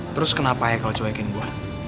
terus kenapa haikal cuekin gue